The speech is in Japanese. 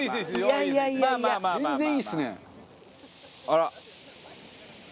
あら。